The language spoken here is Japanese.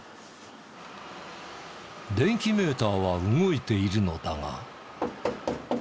電気メーターは動いているのだが。